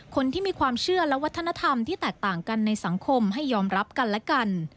คนที่มีความเชื่อและวัฒนธรรมที่แตกต่างกันในสังคมให้ยอมรับกันและกัน